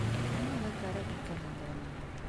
Нимәгә кәрәк икән инде уныһы?